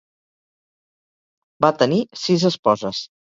Va tenir sis esposes.